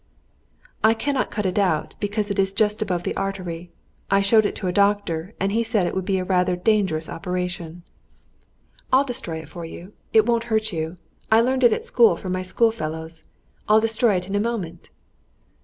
"I cannot cut it out, because it is just above the artery. I showed it to a doctor, and he said it would be a rather dangerous operation." "What does the doctor know about it? I'll destroy it for you; it won't hurt you. I learned it at school from my school fellows. I'll destroy it in a moment."